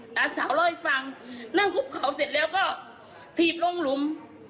หลานสาวเล่าให้ฟังนั่งคุกเขาเสร็จแล้วก็ถีบลงหลุม